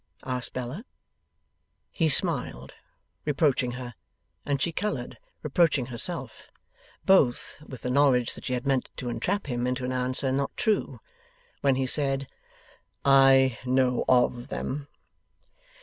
asked Bella. He smiled, reproaching her, and she coloured, reproaching herself both, with the knowledge that she had meant to entrap him into an answer not true when he said 'I know OF them.